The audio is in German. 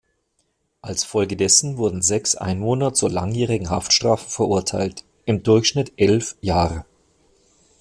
Als Folge dessen wurden sechs Einwohner zu langjährigen Haftstrafen verurteilt, im Durchschnitt elf Jahre.